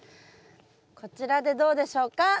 こちらでどうでしょうか！